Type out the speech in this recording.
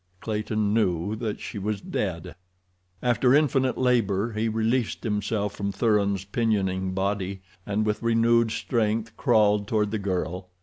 Clayton knew that she was dead. After infinite labor he released himself from Thuran's pinioning body, and with renewed strength crawled toward the girl.